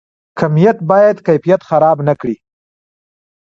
کمیت باید کیفیت خراب نکړي؟